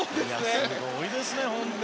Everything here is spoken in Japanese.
すごいですね、本当に。